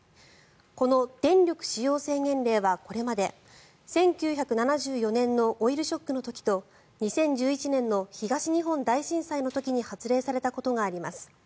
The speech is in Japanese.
この電力使用制限令はこれまで１９７４年のオイルショックの時と２０１１年の東日本大震災の時に発令されたことがあります。